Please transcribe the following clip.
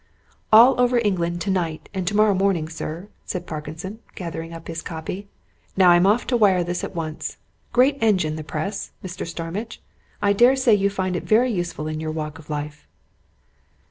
"All over England, tonight, and tomorrow morning, sir," said Parkinson, gathering up his copy. "Now I'm off to wire this at once. Great engine the Press, Mr. Starmidge! I dare say you find it very useful in your walk of life."